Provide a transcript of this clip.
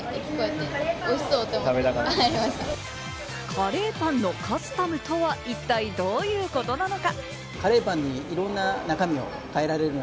カレーパンのカスタムとは一体どういうことなのか？